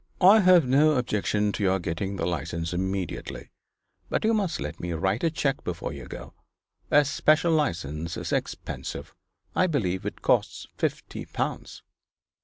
'I have no objection to your getting the licence immediately; but you must let me write a cheque before you go. A special licence is expensive I believe it costs fifty pounds.'